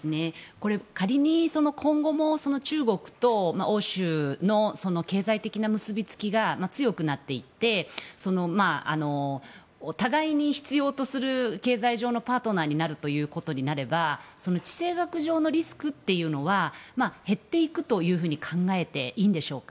仮に今後も中国と欧州の経済的な結びつきが強くなっていって互いに必要とする経済上のパートナーになるということになれば地政学上のリスクというのは減っていくというふうに考えていいんでしょうか。